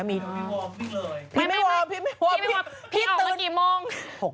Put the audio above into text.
พี่ไม่วอร์มวิ่งเลยพี่ไม่วอร์มพี่ไม่วอร์มพี่ออกเมื่อกี่โมง